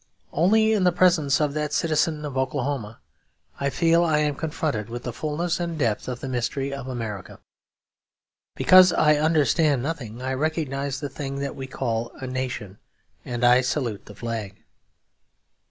Only in the presence of that citizen of Oklahoma I feel I am confronted with the fullness and depth of the mystery of America. Because I understand nothing, I recognise the thing that we call a nation; and I salute the flag.